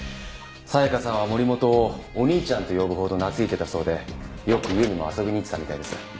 紗香さんは森本を「お兄ちゃん」と呼ぶほど懐いてたそうでよく家にも遊びに行ってたみたいです。